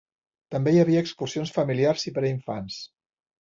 També hi havia excursions familiars i per a infants.